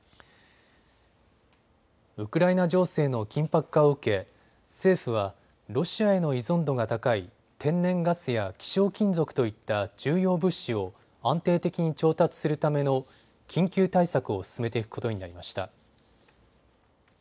ウクライナ情勢の緊迫化を受け政府はロシアへの依存度が高い天然ガスや希少金属といった重要物資を安定的に調達するための緊急対策を進めていくことになりました。